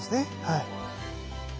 はい。